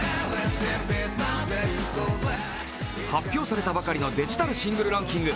発表されたばかりのデジタルシングルランキング。